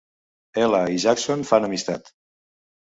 Ella i Jackson fan amistat.